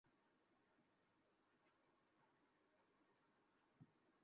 তুমি বন্দুক নামাও পেছনে যাও!